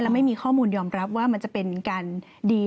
ไม่มีข้อมูลยอมรับว่ามันจะเป็นการดี